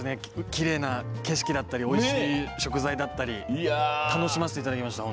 きれいな景色だったりおいしい食材だったり楽しませていただきました。